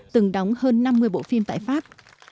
từng đóng hơn năm mươi bộ phim tại pháp